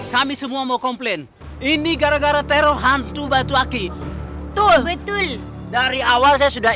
kami semua mau komplain ini gara gara tero hantu batu aki betul dari awal saya sudah